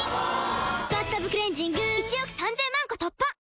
「バスタブクレンジング」１億３０００万個突破！